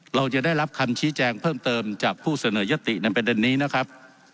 เราจะได้รับคำชี้แจงเพิ่มเติมจากผู้เสนอยติในประเด็นนี้นะครับ